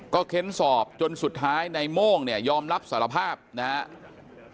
เค้นสอบจนสุดท้ายในโม่งเนี่ยยอมรับสารภาพนะครับ